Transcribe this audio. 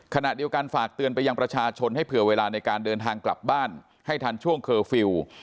ขณะเดียวกันฝากเตือนไปยังประชาชนให้เผื่อเวลาในการเดินทางกลับบ้านให้ทันช่วงเคอร์ฟิลล์